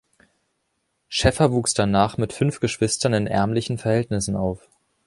Schäffer wuchs danach mit fünf Geschwistern in ärmlichen Verhältnissen auf.